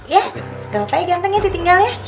ya gak apa apa ya gantengnya ditinggal ya